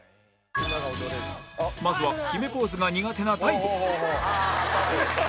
まずは決めポーズが苦手な大悟